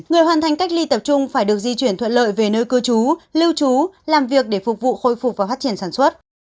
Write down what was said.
người hoàn thành cách ly tập trung phải được di chuyển thuận lợi về nơi cư trú lưu trú làm việc để phục vụ khôi phục và phát triển sản xuất